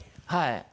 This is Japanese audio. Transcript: はい。